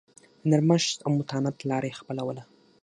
د نرمښت او متانت لار یې خپلوله.